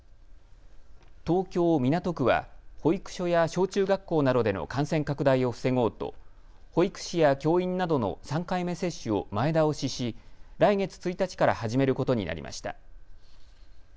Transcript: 東京港区は保育所や小中学校などでの感染拡大を防ごうと保育士や教員などの３回目接種を前倒しし、来月１日から始めることになりました。